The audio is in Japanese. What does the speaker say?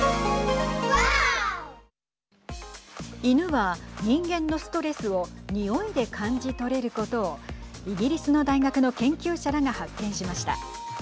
犬は人間のストレスをにおいで感じ取れることをイギリスの大学の研究者らが発見しました。